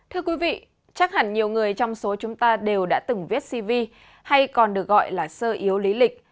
thưa quý vị chắc hẳn nhiều người trong số chúng ta đều đã từng viết cv hay còn được gọi là sơ yếu lý lịch